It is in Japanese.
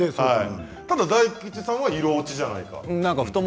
ただ大吉さんは色落ちじゃないかと。